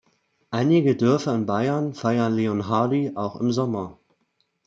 Einige Dörfer in Bayern feiern Leonhardi auch im Sommer.